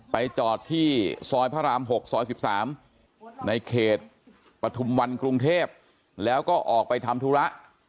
จอดที่ซอยพระราม๖ซอย๑๓ในเขตปฐุมวันกรุงเทพแล้วก็ออกไปทำธุระ